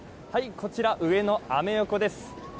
こちら、上野・アメ横です。